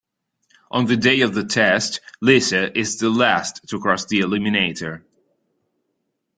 On the day of the test, Lisa is the last to cross the Eliminator.